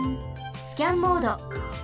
スキャンモード。